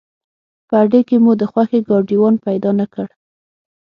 په اډې کې مو د خوښې ګاډیوان پیدا نه کړ.